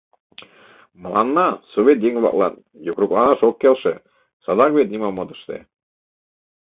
Мыланна, совет еҥ-влаклан, йокрокланаш ок келше, садак вет нимом от ыште.